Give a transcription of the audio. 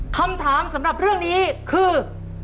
คำถามสำหรับเรื่องนี้คือ